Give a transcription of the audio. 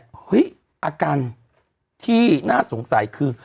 อาการที่น่าสงสัยคือ